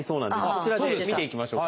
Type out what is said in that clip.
こちらで見ていきましょう。